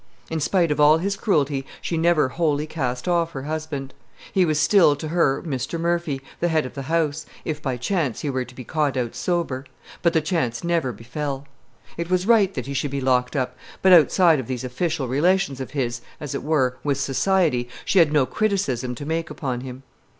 In spite of all his cruelty she never wholly cast off her husband. He was still to her Mr. Murphy, the head of the house, if by chance he were to be caught out sober; but the chance never befell. It was right that he should be locked up, but outside of these official relations of his, as it were, with society, she had no criticism to make upon him.